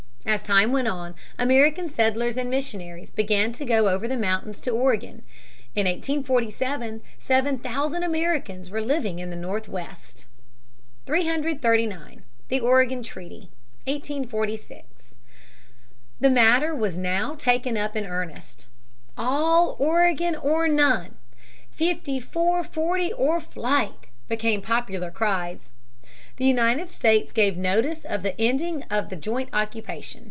As time went on American settlers and missionaries began to go over the mountains to Oregon. In 1847 seven thousand Americans were living in the Northwest. [Sidenote: "All Oregon or none."] [Sidenote: Division of Oregon, 1846.] 339. The Oregon Treaty, 1846. The matter was now taken up in earnest. "All Oregon or none," "Fifty four forty or fight," became popular cries. The United States gave notice of the ending of the joint occupation.